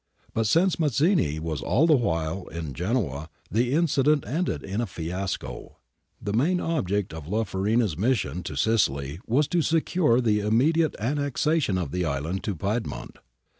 But since Mazzini was all the while in Genoa the incident ended \r\ fiasco} The main object of La Farina's mission to Sicily was to secure the immediate annexation of the island to Piedmont.